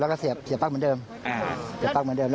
วันที่สามเมื่อไหร่